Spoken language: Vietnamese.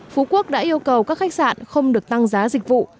phú quốc đã yêu cầu các khách sạn không được tăng giá dịch vụ